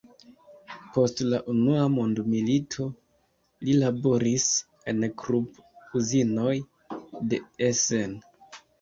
Post la unua mondmilito, li laboris en Krupp-uzinoj de Essen.